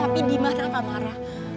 ya tapi dimana kak mara